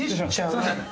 すみません。